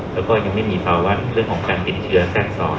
แล้วก็ยังไม่มีภาวะเรื่องของการติดเชื้อแทรกซ้อน